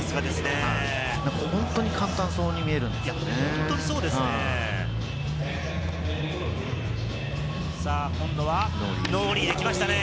本当に簡単そうに見えますよね。